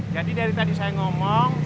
jadi dari tadi saya ngomong